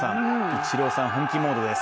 イチローさん、本気モードです。